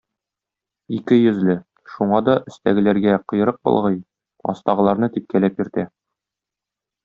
Ике йөзле – шуңа да өстәгеләргә коерык болгый, астагыларны типкәләп йөртә.